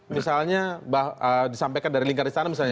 misalnya disampaikan dari lingkaran istana